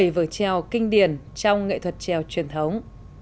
bảy vở trèo kinh điển trong nghệ thuật trèo truyền thống